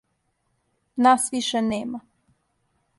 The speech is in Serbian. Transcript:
Нас више нема.